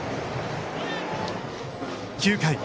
９回。